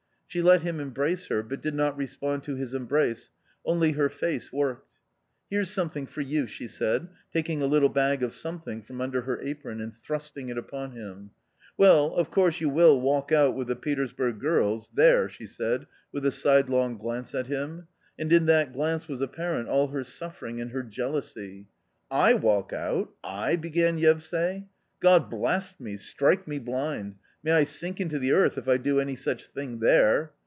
She let him embrace her, but did not respond to his embrace, only her face worked. " Here's something for you !" she said, taking a little bag of something from under her apron and thrusting it upon him. " Well of course you will walk out with the Petersburg girls, there !" she said, with a side long glance at him. And in that glance was apparent all her suffering and her jealousy. " I walk out, I ?" began Yevsay. " God blast me, strike me blind, may I sink into the earth, if I do any such thing there."